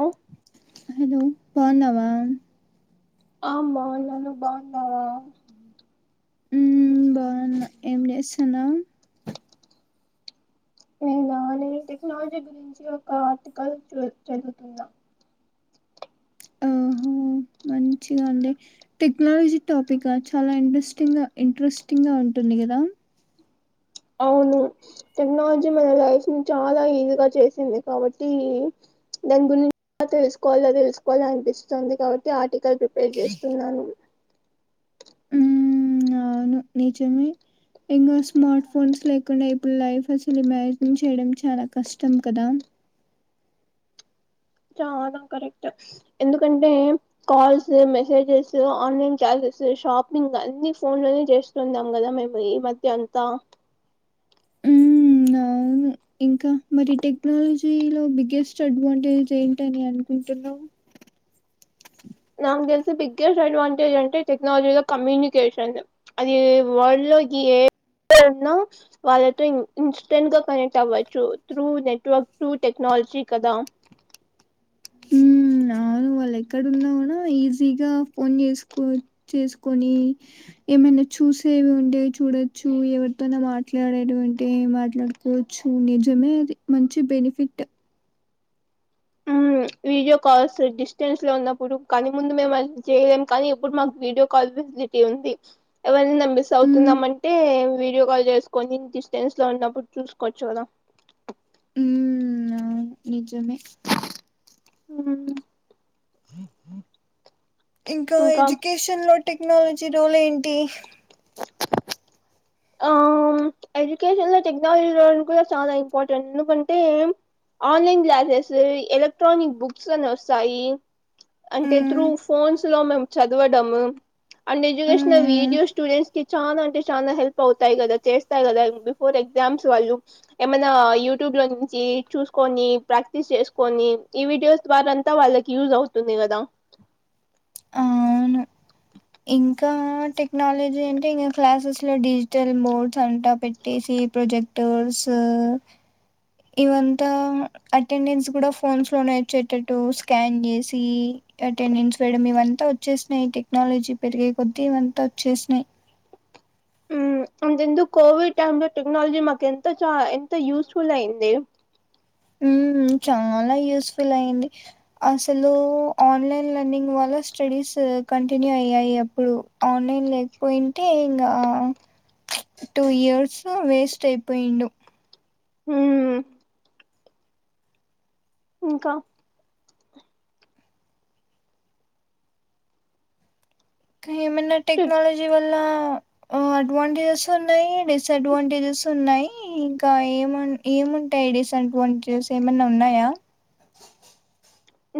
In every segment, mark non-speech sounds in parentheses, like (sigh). అ hello బావున్నావ ఆ బాగున్నా మండి మీర బాగున్నార ఉమ్ బాగున్నా ఏం జేస్తున్నావ్ నేనా నేను టెక్నాలజీ గురించి ఒక ఆర్టికల్ చ చదువుతున్నా ఓహో మంచిగా అండి టెక్నాలజీ టాపిక్ చాలా ఇంట్రెస్టింగ్ గా ఇంట్రెస్టింగ్ గా ఉంటుంది కదా అవును టెక్నాలజీ మన లైఫ్ ని చాల ఈజీగ చేసింది కాబట్టి దాని గురించి తెలుసుకోవాలా తెలుసుకోవాల అనిపిస్తుతోంది కాబట్టి ఆర్టికల్ ప్రిపేర్ చేస్తున్నాను ఉ నిజమె ఇంకా స్మార్ట్ ఫోన్స్ లేకుండ ఇప్పుడు లైఫ్ అసలు ఇమాజిన్ చేయడం చాల కష్టం కదా చాలా కరెక్ట్ ఎందుకంటే calls messages online classes shopping అన్ని ఫోన్ లోనే చేస్తున్నాం కదా మేము ఈ మధ్య అంతా ఇంక మరి టెక్నాలజీలో బిగ్గెస్ట్ అడ్వాంటేజ్ ఏంటని అనుకుంటున్నావు నాక్ తెల్సి బిగ్గెస్ట్ అడ్వాంటేజ్ అంటే టెక్నాలజీ ద కమ్యూనికేషన్ అది వల్డ్ (unintelligible) వాళ్ళతో ఇన్స్టెంట్ గా కనెక్ట్ అవ్వచ్చు త్రూ నెట్వర్క్ టూ టెక్నాలజీ చి కదా వాళ్ళ ఎక్కడున్నా గూడ ఈజీగ ఫోన్ చేసు చేసుకని ఏమైనా చూసేవి ఉంటేవి చూడొచ్చు ఎవరితోన మాట్లాడేవి ఉంటే మాట్లాడుకోవచ్చు నిజ కని అది మంచి బెనిఫిట్ అవును వీడియో కాల్స్ డిస్టెన్స్ లో ఉన్నప్పుడు కనీ ముందు మేము అ చేయలేము కానీ ఎప్పుడు మాకు వీడియో కాల్ ఉంది ఎవర్నన్న మిస్ హ్మ్ అవుతున్నాం అంటే వీడియో కాల్ చేసుకొని డిస్టెన్స్ లో ఉ అప్పుడ్ చూసుకోవచ్చు కదా ఉ అవున్ నిజమే అ ఇంకా ఎడ్యుకేషన్ లో టెక్నాలజీ రోల్ ఏంటి ఆ ఎడ్యుకేషన్ లో టెక్నాలజీ లో కూడ చాల ఇంపార్టెంట్ ఎందుకంటే ఆన్లైన్ క్లాసెస్ ఎలక్ట్రానిక్ బుక్స్ అని వస్తాయి అంటే త్రూ హ్మ్ ఫోన్స్ లో మేమ్ చదవడము అండ్ ఎడ్యుకేషన్లో హ్మ్ వీడియోస్ స్టూడెంట్స్ కి చాల అంటే చాన హెల్ప్ పవుతాయి కదా చేస్తాయి కదా బిఫోర్ ఎగ్జామ్స్ వాళ్ళు ఏమైన్నా యూట్యూబ్ లో నుంచి చూస్ కొని ప్రాక్టీస్ చేసుకొని ఈ వీడియోస్ ద్వార అంతా వాళ్ళకి యూజ్ అవుతుంది కదా అవును ఇంకా టెక్నాలజీ అంటే ఇంకా క్లాసెస్ లో డిజిటల్ బోర్డ్స్ అవంతా పెట్టేసి ప్రాజెక్టర్స్ ఇవంతా అటెండెన్స్ గూడా ఫోన్స్ లోనే వచ్చేటట్టు స్కాన్ జేసి అటెండెన్స్ వేయడం ఇవంతా వచ్చేసినాయి టెక్నాలజీ పెరిగే కొద్దీ ఇవంతా వచ్చేసినాయి మ్మ్ అంతెందుకు కోవిడ్ టైమ్ లో టెక్నాలజీ మాకెంత చ ఎంత యూస్ఫుల్ అయింది మ్మ్ చాలా యూస్ఫుల్ అయ్యింది అసలు ఆన్లైన్ లన్నింగ్ వాళ్ళ స్టడీస్ కంటిన్యూ అయ్యాయి అప్పుడు ఆన్లైన్ లేకపొయింటే ఇంగ టూ ఇయర్స్ వేస్ట్ అయిపొయిండు హ్మ్ ఇంకా ఏమన్న టెక్నాలజీ అడ్వాంటేజెస్ ఉన్నాయి డిస్డ్వాంటేజెస్ ఉన్నాయి ఇంకా ఏమ ఏముంటాయి డిస్ అన్వాంటిస్ ఏమన్నా ఉన్నాయా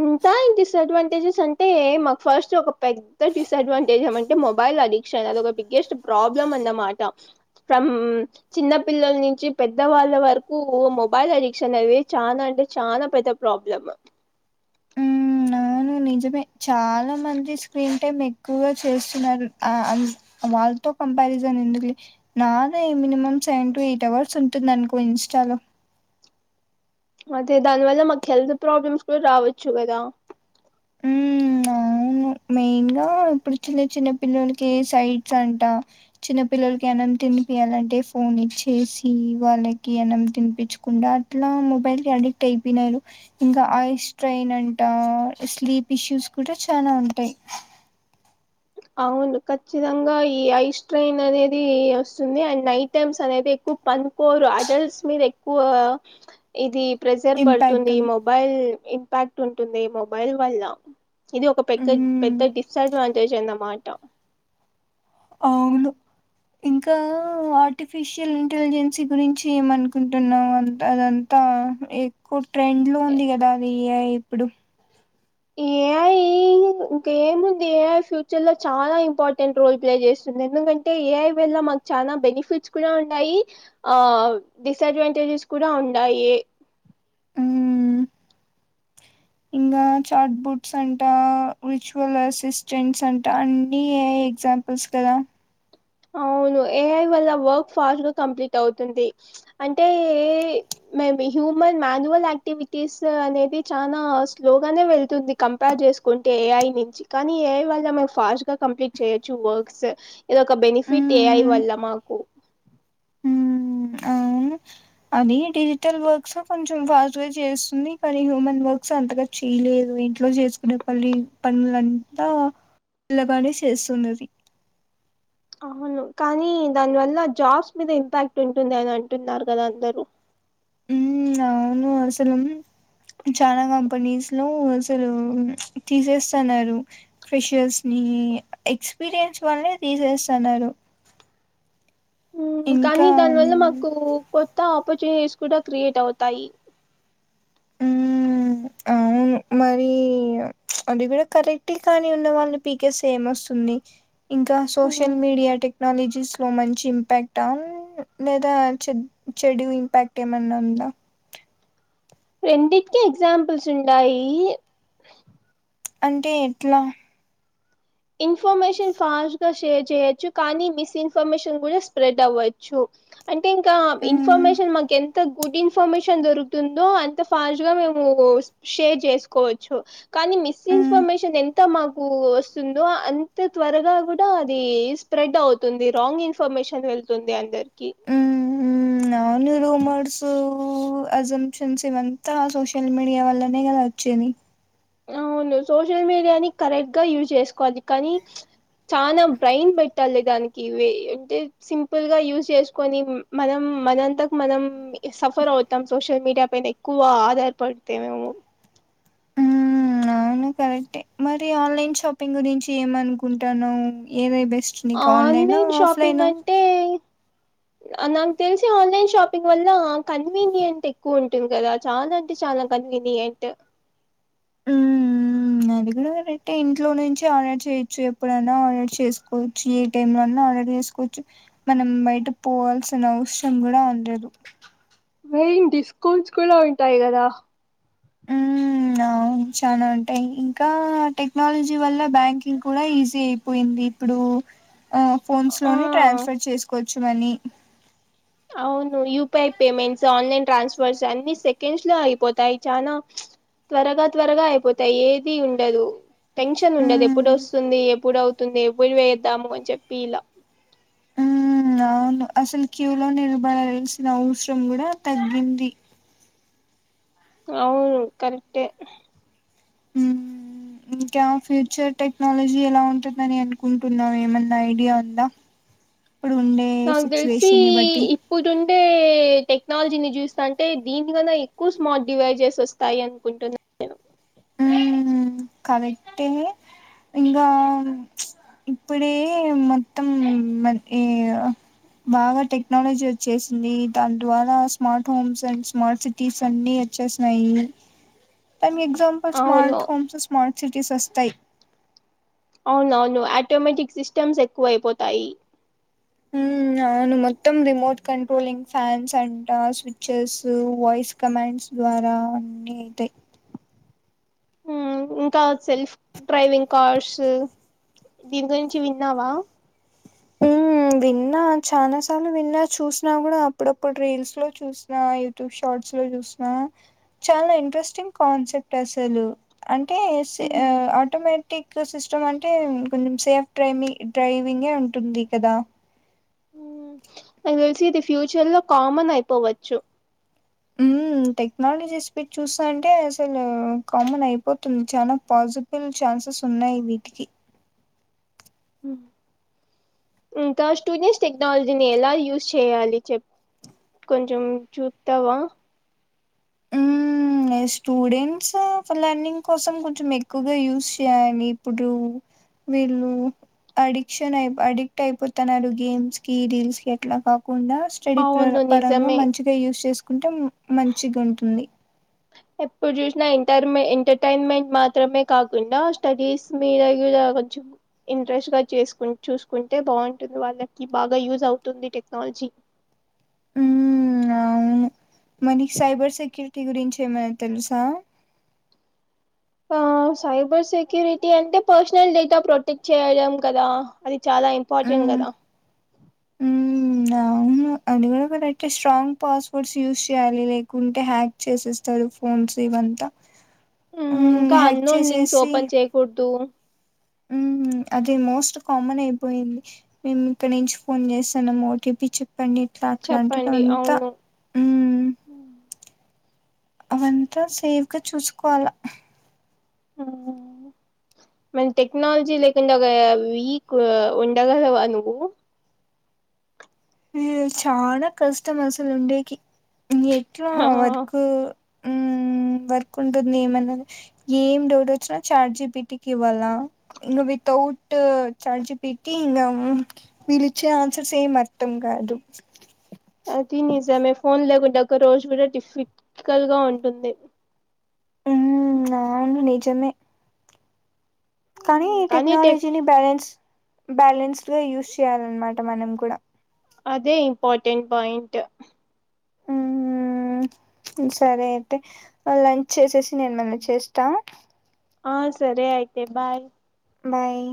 ఇంకా డిస్డ్వాంటేజెస్ అంటే మాకు ఫస్ట్ ఒక పెద్ద డిసడ్వాంటేజ్ ఏమంటే మొబై అడిక్షన్ అదొక బిగ్గెస్ట్ ప్రాబ్లం అన్నమాట చిన్నపిల్లల్ నించి పెద్ద వాళ్ళ వరకు మొబైల్ అడిక్షన్ అనేది చానా అంటే చాలా పెద్ద ప్రాబ్లం ఉమ్, అవును నిజమే చాలా మంది స్క్రీన్ టైమ్ ఎక్కువగా చూస్తున్నారు ఆ వాళ్ళతో కంపారిజన్ ఎందుకులే నాదే minimum seven to eight hours ఉంటుందనుకో ఇన్స్టాలో అదే దాని వల్ల మాకు హెల్త్ ప్రాబ్లమ్స్ కూడా రావచ్చు కదా ఉమ్ మెయిన్ గా ఇప్పుడు చిన్న చిన్న పిల్లలకి సైట్స్ అంట చిన్న పిల్లలకి అనంత్ తినిపియాలంటే ఫోన్ ఇచ్చేసి వాళ్ళకి అనం తినిపించకుండా అట్లా మొబైల్ అడిక్ట్ అయిపొయినారు ఇంకా ఐ స్ట్రైన్ అంట స్లీప్ ఇష్యూస్ కూడా చానా టె అవును ఖచ్చితంగా ఈ ఐస్ ట్రైన్ అనేది వస్తుంది అండ్ నైట్ టైమ్స్ అనేదిక్ పన్కోరు అడల్ట్స్ మీద ఎక్కువ ఇది ప్రెజర్ ఇంపాక్ట్ పడుతుంది మొబైల్ ఇంపాక్ట్ ఉంటుంది మొబైల్ వల్ల ఇది ఒక పెకగ్ హ్మ్ పెద్ద డిస్అడ్వాంటేజ్ అన్నమాట అవును ఇంకా ఆర్టిఫిషియల్ ఇంటెలిజెన్సీ గురించి ఏమనుకుంటున్నాం అంత అదంతా ఎక్కువ ట్రెండ్ లో ఉంది గదా అది ఇప్పుడు ఏయా ఈ ఇంక ఏముంది ఏ ఐ ఫ్యూచర్ లో చాలా ఇంపార్టెంట్ రోల్ ప్లే చేస్తుంది ఎందుకంటే ఏ ఐ వల్ల చానా బెనిఫిట్స్ కూడా ఉన్నాయి ఆ డిసడ్వాంటేజెస్ కూడా ఉన్నాయి హ్మ్ ఇంగా చార్ట్ బుట్స్ అంట విచువల్ అసిస్టెంట్స్ అంట అన్నీ ఏ ఐ ఎగ్జాంపుల్స్ కదా అవును ఏ ఐ వల్ల వర్క్ ఫాస్ట్ గా కంప్లీట్ అవుతుంది అంటే ఏ మేమి హ్యూమన్ మాన్యువల్ యాక్టివిటీస్ అనేది చానా స్లోగానే వెళ్తుంది కంపార్జే చేస్కుంటే ఏ ఐ నించి కానీ ఏ ఐ వల్ల మన ఫాస్ట్ గా కంప్లీట్ చేయచ్చు వక్స్ ఇదొక ఫిట్ ఏ ఐ మ్మ్ వల్ల మాకు అని డిజిటల్ వర్క్స్ కొంచెం ఫాస్ట్ గా చేస్తుంది కానీ హ్యూమన్ వర్క్స్ అంతగా చెయ్ లేదు అవింట్లో చేసుకునే పలి పనులంతా ల్లగానే చేస్తుందది అవును కానీ దాని వల్ల జాబ్స్ మీద ఇంపాక్ట్ ఉంటుంది అని అంటున్నారు కదా అందరు ఉమ్ అవును అసలు చాలా కంపెనీస్ లో అసలు తీసేస్తన్నారు ఫ్రెషర్స్ ని ఈ ఎక్స్పీరియన్స్ వాల్నే తీసేస్తన్నారు ఉమ్ కానీ ఇంకా దానివల్ల మాకు కొత్త ఆపర్చునిటీస్ కూడా క్రియేట్ అవుతాయి. మ్మ్ అవును మరి అది కూడా కరెక్టే కాని ఉన్న వాళ్ళని పీకెస్తే ఏం వస్తుంది ఇంకా సోషల్ మ్మ్. మీడియా టెక్నాలజీస్ లో మంచి ఇంపాక్టా లేదా చె చెడు ఇంపాక్ట్ ఏమన్నా ఉందా రెండింటికి ఎగ్జాంపుల్స్ ఉండాయి అంటే ఎట్లా ఇన్ఫర్మేషన్ ఫాస్ట్ గా షేర్ చేయొచ్చు కానీ మిస్ ఇన్ఫర్మేషన్ కూడా స్ప్రెడ్ అవ్వచ్చు అంటే ఇంకా మ్మ్ ఇన్ఫర్మేషన్ మాకు ఎం ఎంత గుడ్ ఇన్ఫర్మేషన్ దొరుకుతుందో అంత ఫాస్ట్ గా మేము షేర్ చేసుకోవచ్చు. కానీ మిస్ మ్మ్ ఇన్ఫర్మేషన్ ఎంత మాకు వ స్తుందో అంతే త్వరగా కూడా అది స్ప్రెడ్ అవుతుంది రాంగ్ ఇన్ఫర్మేషన్ వెళ్తుంది అందరి కి నాన్ రూమర్స్ అజంషన్స్ ఇవంతా సోషల్ మీడియా వల్లనే కదా వ చ్చేది అవును సోషల్ మీడియాని కరెక్ట్ గా యూజ్ చేసుకోవాలి కానీ చానా బ్రైన్ పెట్టాలి దానికి ఇవి అంటే సింపుల్ గా యూస్ చేసుకొని మనం మనంతకు మనం సఫర్ అవుతాం సోషల్ మీడియా పైన ఎక్కువ ఆధారపడితే మేము మ్మ్ అవును కరెక్టే మరి ఆన్లైన్ షాపింగ్ గురించి ఏమనుకుంటాన్నావ్ ఏది బెస్ ఆన్లైన్ షాపింగ్ అంటే నాకు తెలిసి ఆన్లైన్ షాపింగ్ వల్ల కన్వీనియంట్ ఎక్కువ ఉంటుంది కదా చాలా అంటే చాలా కన్వీ నియంట్ మ్మ్ అది కూడ కరెక్టే ఇంట్లో నుంచి ఆర్డర్ చేయొచ్చు ఎప్పుడన్నా ఆర్డర్ చేసుకోవచ్చు ఏ టైమ్ లో అన్నా ఆర్డర్ చేసుకోవచ్చు. మనం బయట పోవాల్సిన అవసరం కూడా ఉండదు. మెయిన్ డిస్కౌంట్స్ కూడా ఉంటాయి కదా మ్మ్ అవును చానా ఉంటాయి ఇంకా టెక్నాలజీ వల్ల బ్యాంకింగ్ కూడా ఈజీ అయిపోయింది ఇప్పుడు ఆ ఆ ఫోన్స్లోనే ట్రాన్స్ఫర్ చేసుకోవచ్చు మని అవును యూపిఐ పేమెంట్స్ ఆన్లైన్ ట్రాన్స్ఫర్స్ అన్ని సెకండ్స్ లో అయిపోతాయి చానా త్వరగా త్వరగా అయిపోతాయి ఏది ఉండదు టెన్షన్ ఉండదు ఎప్పుడు మ్మ్ వస్తుంది ఎప్పుడవు తుంది ఎప్పుడు వేదాము అని చెప్పి ఇలా ఉమ్ అవును అసలు క్యూ లో నిలబడాల్సిన అవసరం కూడా తగ్గింది. అవును కరెక్టే ఇంకా ఫ్యూచర్ టెక్నాలజీ ఎలా ఉంటుందని అనుకుంటున్నావు ఏమన్నా ఐడియా ఉందా ఇప్పుడు ఉండే నాకు తెలిసి సిచ్యువేషన్ని బట్టి ఇప్పుడుండే టెక్నాలజీని చూస్తాంటే దీనికన్నా ఎక్కువ స్మార్ట్ డివైజెస్ వస్తాయి అనుకుంటున్నా నేను మ్మ్ కరెక్టే ఇంగా ఇప్పుడే మొత్తం మ బాగా టెక్నాలజీ వచ్చేసింది దాని ద్వారా smart homes and smart cities అన్ని చేసినాయి దనీకి ఎగ్జాంపుల్ అవును స్మార్ట్ హోమ్స్ స్మార్ట్ సిటీస్ వస్తాయి అవును అవును ఆటోమేటిక్ సిస్టమ్స్ ఎక్కువ అయిపోతాయి ఉమ్ అవును మొత్తం రిమోట్ కంట్రోలింగ్ ఫ్యాన్స్ అంట స్విచెస్ వాయిస్ కమాండ్స్ ద్వారా అన్ని అయితాయి అ ఉమ్ ఇంకా సెల్ఫ్ డ్రైవింగ్ కార్స్ దీని గురించి విన్నావా ఉమ్ విన్నా చాలా సార్లు విన్నా చూసినా కూడా అప్పుడప్పుడు రీల్స్ లో చూసినా యూట్యూబ్ షార్ట్ లో చూసిన చాలా ఇంట్రెస్టింగ్ కాన్సెప్ట్ అస్సలు అం టే సి ఉమ్, ఆటోమేటిక్ టిక్ సిస్టమ్ అంటే కొంచెం సేఫ్ డ్రై డ్రైవింగే ఉంటుంది కదా నాకు తెలిసి ఇది ఫ్యూచర్ లో కామన్ అయిపోవచ్చు టెక్నాలజీస్ పట్టి చూస్తాంటే అసలు కామన్ అయిపోతుంది చాలా పాజిబుల్ చ స్ ఉన్నాయి వీటికి అ ఇంకా స్టూడెంట్స్ టెక్నాలజీని ఎలా యూస్ చేయాలి చెప్పు కొంచం చుత్తవ ఉమ్ స్టూడెంట్స్ లర్నింగ్ కోసం కొంచెం ఎక్కువగా యూస్ చేయలీ ఇప్పుడు వీళ్ళు అడిక్షన్ అయి అడిక్ట్ అయిపోతున్నారు గేమ్స్ కి రీల్స్ కి అట్లా కా కాకుండా స్టడీ అవును పరంగా నిజమే మంచిగా యూస్ చేసుకుంటే మంచిగా ఉంటుంది ఎప్పుడు చూసినా ఎంటర్ ఎంటర్టైన్మెంట్ మాత్రమే కాకుండా స్టడీస్ మీద కూడా కొంచెం ఇంట్రెస్ట్ గా చేసుకు చూసుకుంటే బాగుంటుంది వాళ్ళకి బాగా యూజ్ అవుతుంది టెక్ క్నాలజీ ఉమ్ మనకి సైబర్ సెక్యూరిటీ గురించి ఏమైనా తెలుసా ఆ సైబర్ సెక్యూరిటీ అంటే పర్సనల్ డేటా ప్రొటెక్ట్ చేయడం కదా అది చాలా ఇంపార్టెంట్ మ్మ్ కదా మ్మ్ అవును అది కూడా కరెక్టే స్ట్రాంగ్ పాస్ వర్డ్స్ యూస్ చేయాలి లేకుంటే హ్యాక్ చేసేస్తారు ఫోన్స్ అంత ఇంకా అన్నోన్ లింక్స్ ఓపెన్ చేయకూడదు అదే మోస్ట్ కామన్ అయిపోయింది మేము ఇక్కడ నుంచి ఫోన్ చేస్తానము ఓటీపీ చె పండి ఇట్లా అట్లా అంటారు చెప్పండి అంతా అవును ఉమ్ అవంతా సేఫ్గా చూసుకోవాల ఆ మన టెక్నాలజీ లేకుంటే ఒక వీక్ ఉండగలవా నువ్వు చాలా కష్టం అసలు ఉండేకి ఎట్లా ఆ వర్క్ హ్మ్ వర్క్ ఉంటుంది ఏమన్నది ఏం డౌట్ వచ్చినా చాట్ జీపిటికి ఇవ్వాలా ఇంగ తౌట్ చార్జిపిటీ ఇంగ ఉమ్ వీళ్ళు ఇచ్చే ఆన్సర్స్ ఏం అర్ధం కాదు అది నిజమే ఫోన్ లేకుంటే ఒక రోజు కూడా టిఫికల్ గా ఉంటుంది ఉమ్ అవును నిజమే కానీ టెక్నలజీ ని బ్యాలెన్స్ బ్యాలెన్స్డ్ గా యూస్ చేయాలన్నమాట మనం కూడా అదే ఇంపార్టెంట్ పాయింట్ ఉమ్ సరే అయితే లంచ్ చేసేసి నేను మళ్ళీ చేస్తా ఆ సరే అయితే బాయ్ బాయ్